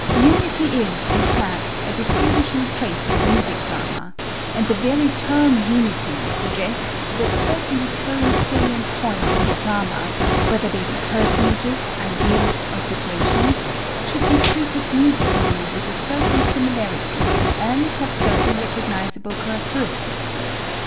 Unity is, in fact, a distinguishing trait of music drama; and the very term "unity" suggests that certain recurring salient points in the drama, whether they be personages, ideas or situations, should be treated musically with a certain similarity, and have certain recognizable characteristics.